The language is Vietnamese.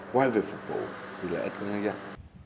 quay về phục vụ thì là ít có nhân dân